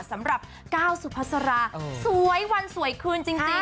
สำหรับก้าวสุภาษาราสวยวันสวยคืนจริง